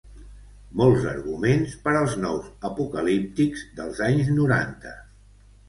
Molts arguments per als nous apocalíptics dels anys noranta.